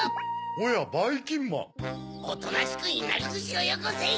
おとなしくいなりずしをよこせ！